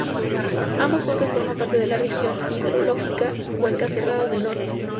Ambas cuencas forman parte de la "Región Hidrológica Cuencas Cerradas del Norte".